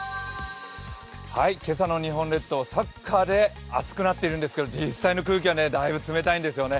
今朝の日本列島サッカーで熱くなっているんですけれども実際の空気はだいぶ冷たいんですよね。